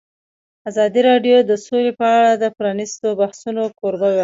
ازادي راډیو د سوله په اړه د پرانیستو بحثونو کوربه وه.